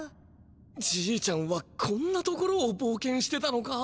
じいちゃんはこんなところをぼうけんしてたのか。